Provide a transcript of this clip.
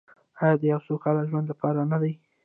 آیا د یو سوکاله ژوند لپاره نه ده؟